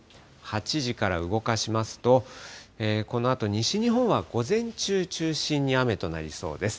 ８時から動かしますと、このあと西日本は午前中中心に雨となりそうです。